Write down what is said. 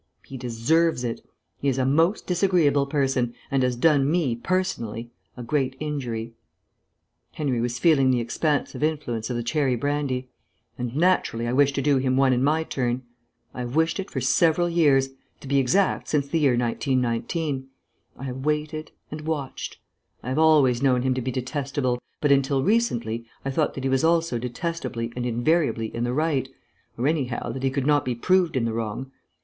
He deserves it. He is a most disagreeable person, and has done me, personally, a great injury" (Henry was feeling the expansive influence of the cherry brandy) "and naturally I wish to do him one in my turn. I have wished it for several years; to be exact, since the year 1919. I have waited and watched. I have always known him to be detestable, but until recently I thought that he was also detestably and invariably in the right or, anyhow, that he could not be proved in the wrong.